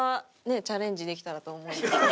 チャレンジできたらと思います。